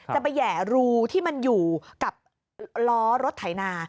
จะไปแห่รูที่มันอยู่กับล้อรถไถนา